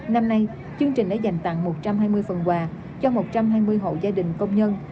năm nay chương trình đã dành tặng một trăm hai mươi phần quà cho một trăm hai mươi hộ gia đình công nhân